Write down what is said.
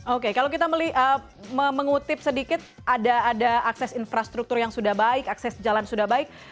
oke kalau kita mengutip sedikit ada akses infrastruktur yang sudah baik akses jalan sudah baik